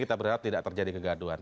kita berharap tidak terjadi kegaduhan